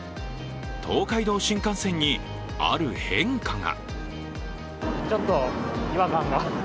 東海道新幹線に、ある変化が。